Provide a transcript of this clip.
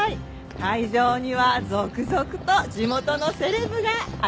「会場には続々と地元のセレブが足を」